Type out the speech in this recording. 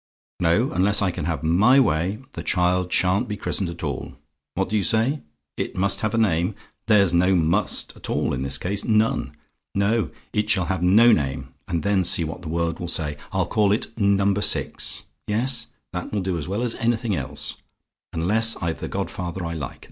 "No; unless I can have MY way, the child sha'n't be christened at all. What do you say? "IT MUST HAVE A NAME? "There's no 'must' at all in the case none. No, it shall have no name; and then see what the world will say. I'll call it Number Six yes, that will do as well as anything else, unless I've the godfather I like.